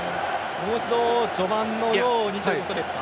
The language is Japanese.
もう一度序盤のほうにということですか？